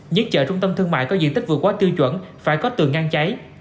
những chợ trung tâm thương mại có diện tích vừa quá tiêu chuẩn phải có tường ngăn cháy